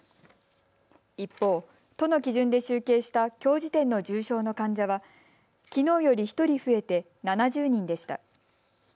一方、都の基準で集計したきょう時点の重症の患者はきのうより１人増えて７０人でした。